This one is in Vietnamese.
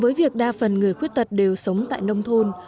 với việc đa phần người khuyết tật đều sống tại nông thôn